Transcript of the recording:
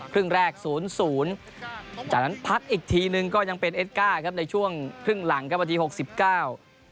ครึ่งแรกศูนย์ศูนย์จากนั้นพักอีกทีหนึ่งก็ยังเป็นเอสก้าครับในช่วงครึ่งหลังครับนาทีหกสิบเก้า